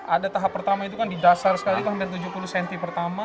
ada tahap pertama itu kan di dasar sekali itu hampir tujuh puluh cm pertama